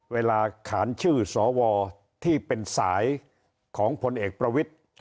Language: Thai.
เวลาขานชื่อสวที่เป็นสายของพลเอกประวิทธิ์